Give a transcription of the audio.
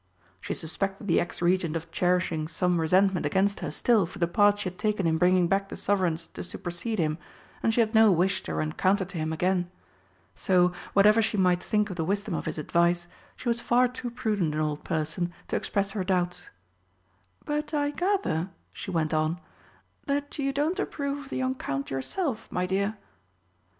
She suspected the ex Regent of cherishing some resentment against her still for the part she had taken in bringing back the Sovereigns to supersede him, and she had no wish to run counter to him again. So, whatever she might think of the wisdom of his advice, she was far too prudent an old person to express her doubts. "But I gather," she went on, "that you don't approve of the young Count yourself, my dear?"